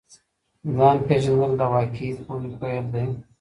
ځان پیژندل د واقعي پوهي پیل دی.